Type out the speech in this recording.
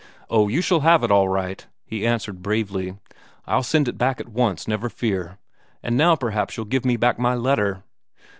"Oh, you shall have it all right," he answered bravely. "I'll send it back at once, never fear. And now perhaps you'll give me back my letter."